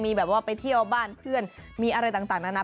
มีแบบว่าไปเที่ยวบ้านเพื่อนมีอะไรต่างนานา